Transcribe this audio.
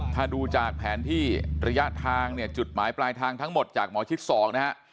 ถ้าดูจากแผนที่ระยะทางเนี่ยจุดหมายปลายทางทั้งหมดจากหมอชิด๒นะฮะ